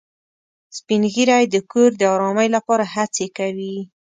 سپین ږیری د کور د ارامۍ لپاره هڅې کوي